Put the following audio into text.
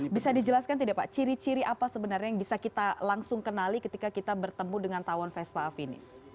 bisa dijelaskan tidak pak ciri ciri apa sebenarnya yang bisa kita langsung kenali ketika kita bertemu dengan tawon vespa afinis